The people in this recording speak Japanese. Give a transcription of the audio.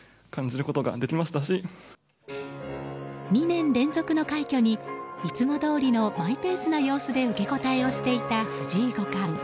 ２年連続の快挙にいつもどおりのマイペースな様子で受け答えをしていた藤井五冠。